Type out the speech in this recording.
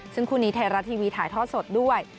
ซึ่งคู่นี้ไทยรัฐทีวีถ่ายทอดสดด้วย